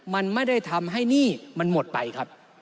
มันไม่ได้ทำให้หนี้มันหมดไปครับ